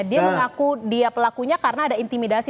dia mengaku dia pelakunya karena ada intimidasi